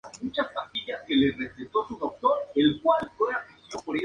Más tarde, Brown fue la primera profesora afro-americana del Eliot Elementary School en Tulsa.